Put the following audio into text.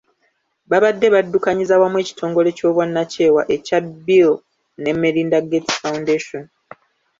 Babadde baddukanyiza wamu ekitongole ky'obwannakyewa ekya Bill ne Melinda Gates Foundation .